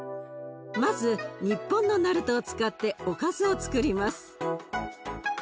まず日本のなるとを使っておかずをつくります。